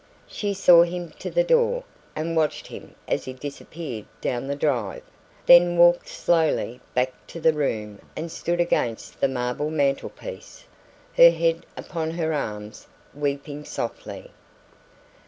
She saw him to the door, and watched him as he disappeared down the drive; then walked slowly back to the room and stood against the marble mantelpiece, her head upon her arms, weeping softly.